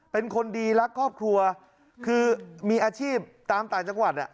เป็นคนดีรักครอบครัวคือมีอาชีพตามต่างจังหวัด